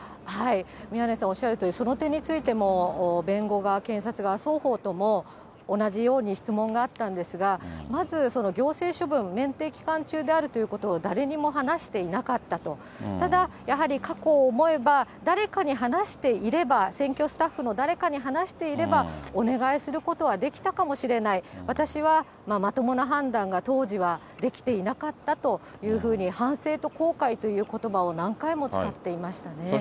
宮根さんおっしゃるとおり、その点についても弁護側、検察側双方とも、同じように質問があったんですが、まず行政処分、免停期間中であるということを誰にも話していなかったと、ただ、やはり過去を思えば、誰かに話していれば、選挙スタッフの誰かに話していれば、お願いすることはできたかもしれない、私はまともな判断が当時はできていなかったというふうに、反省と後悔ということばを何回も使っていましたね。